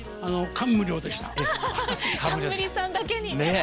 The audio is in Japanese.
冠さんだけに。